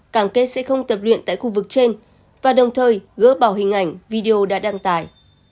càng kết sẽ không tập luyện tại khu vực trên và đồng thời gỡ bỏ hình ảnh video đã đăng tải